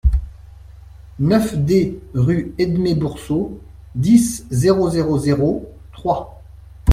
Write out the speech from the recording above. neuf D rue Édmé Boursault, dix, zéro zéro zéro, Troyes